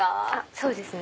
そうですね。